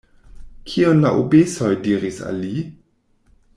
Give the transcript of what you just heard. Kion la Obesoj diris al li?